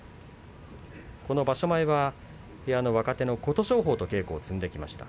この場所前は部屋の若手の琴勝峰と稽古を積んできました。